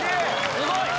すごい！